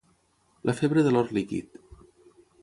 La febre de l'or líquid.